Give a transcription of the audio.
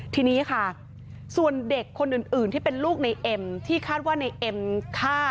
ทีนี้ค่ะส่วนเด็กคนอื่นที่เป็นลูกในเอ็มที่คาดว่าในเอ็มฆ่า